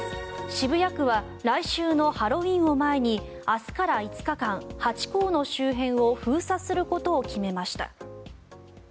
渋谷区は来週のハロウィーンを前に明日から５日間、ハチ公の周辺を封鎖することを決めました。